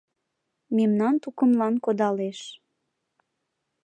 Мемнан тукымлан кодалеш.